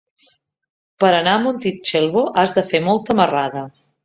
Per anar a Montitxelvo has de fer molta marrada.